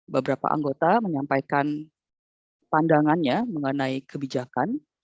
beberapa anggota menyampaikan pandangannya mengenai kebijakan